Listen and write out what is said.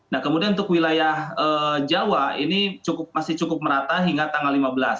nah kemudian untuk wilayah jawa ini masih cukup merata hingga tanggal lima belas